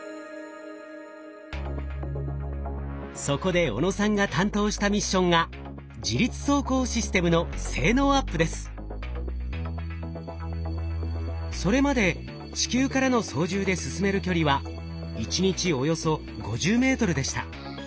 そこで小野さんが担当したミッションがそれまで地球からの操縦で進める距離は１日およそ５０ｍでした。